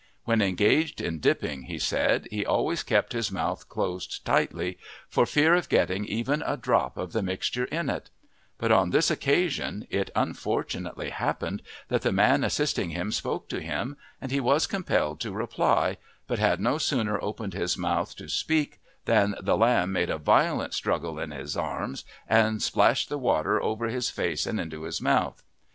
When engaged in dipping, he said, he always kept his mouth closed tightly for fear of getting even a drop of the mixture in it, but on this occasion it unfortunately happened that the man assisting him spoke to him and he was compelled to reply, but had no sooner opened his mouth to speak than the lamb made a violent struggle in his arms and splashed the water over his face and into his mouth.